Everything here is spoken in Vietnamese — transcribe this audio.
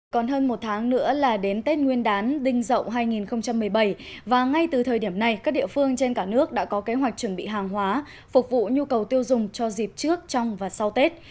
còn hơn một tháng nữa là đến tết nguyên đán đinh dậu hai nghìn một mươi bảy và ngay từ thời điểm này các địa phương trên cả nước đã có kế hoạch chuẩn bị hàng hóa phục vụ nhu cầu tiêu dùng cho dịp trước trong và sau tết